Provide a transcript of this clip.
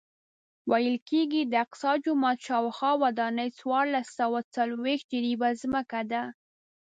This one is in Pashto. ویل کېږي د اقصی جومات شاوخوا ودانۍ څوارلس سوه څلوېښت جریبه ځمکه ده.